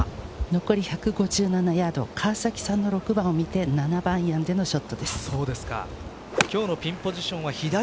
残り１５７ヤード川崎さんの６番を見て７番アイアンでのショットです。